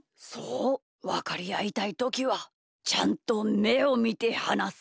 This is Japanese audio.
わかりあいたいときはちゃんとめをみてはなす。